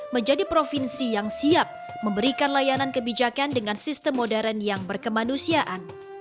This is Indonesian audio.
menjadi provinsi yang siap memberikan layanan kebijakan dengan sistem modern yang berkemanusiaan